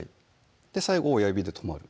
最後親指で止まる